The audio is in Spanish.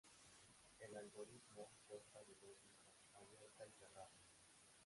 El algoritmo consta de dos listas, Abierta, y Cerrada.